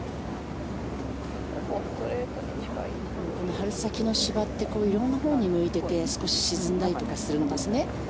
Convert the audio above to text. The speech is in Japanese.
春先の芝って色んなほうに向いてて少し沈んだりとかするんですね。